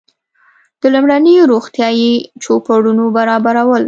د لومړنیو روغتیایي چوپړونو برابرول.